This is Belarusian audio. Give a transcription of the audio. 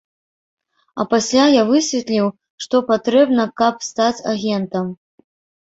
А пасля я высветліў, што патрэбна, каб стаць агентам.